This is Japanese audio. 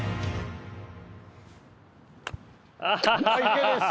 池です。